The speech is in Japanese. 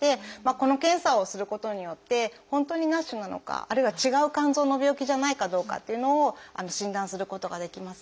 この検査をすることによって本当にＮＡＳＨなのかあるいは違う肝臓の病気じゃないかどうかっていうのを診断することができます。